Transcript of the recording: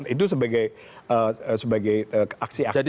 itu sebagai aksi aksi yang kita lakukan